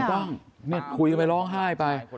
คุยของไปร้องไห้ไป